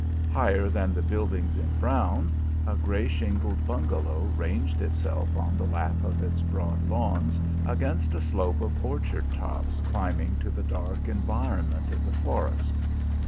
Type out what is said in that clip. Higher than the buildings in brown, a gray shingled bungalow ranged itself on the lap of its broad lawns against a slope of orchard tops climbing to the dark environment of the forest.